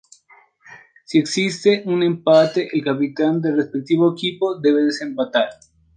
Si existiese un empate, el capitán del respectivo equipo debe desempatar.